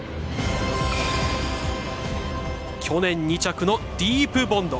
去年２着のディープボンド。